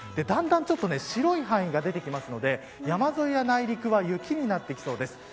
だんだん白い範囲が出てくるので山沿いや内陸は雪になってきそうです。